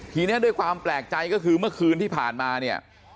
ทีนี้ด้วยความแปลกใจก็คือเมื่อคืนที่ผ่านมาเนี่ย